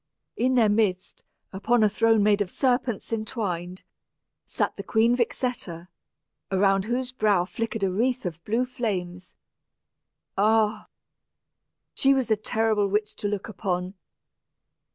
In their midst, upon a throne made of serpents intertwined, sat the Queen Vixetta, around whose brow flickered a wreath of blue flames. Ah! she was a terrible witch to look upon.